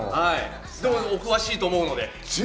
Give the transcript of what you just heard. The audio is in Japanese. お詳しいと思うので。